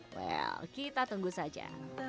well kita tunggu saja